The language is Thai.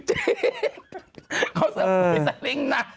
เขาให้ใส่ลิงน่ะ